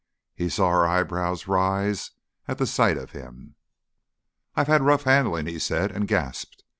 He saw her eyebrows rise at the sight of him. "I've had rough handling," he said, and gasped.